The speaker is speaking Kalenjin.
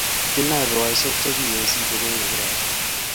Kinoe boisiek che kiyositu koweku robta